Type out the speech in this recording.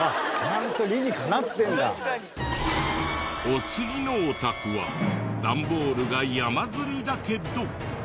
お次のお宅は段ボールが山積みだけど。